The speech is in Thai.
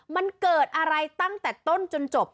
มันเกิดอะไรตั้งแต่ต้นจนจบ